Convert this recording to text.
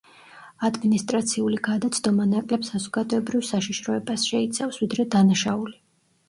ადმინისტრაციული გადაცდომა ნაკლებ საზოგადოებრივ საშიშროებას შეიცავს, ვიდრე დანაშაული.